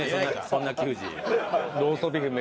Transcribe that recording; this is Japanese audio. そんな球児。